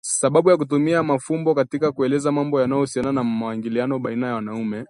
Sababu ya kutumia mafumbo katika kueleza mambo yanayohusiana na maingiliano baina ya wanaume